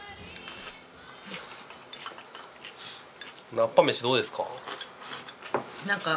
菜っぱ飯どうですか？